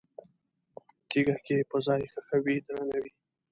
تیګه که په ځای ښخه وي، درنه وي؛